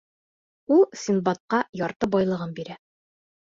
Ул Синдбадҡа ярты байлығын бирә.